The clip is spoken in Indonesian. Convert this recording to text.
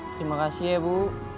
terima kasih ya bu